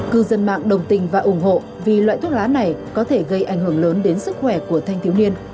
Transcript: cư dân mạng đồng tình và ủng hộ vì loại thuốc lá này có thể gây ảnh hưởng lớn đến sức khỏe của thanh thiếu niên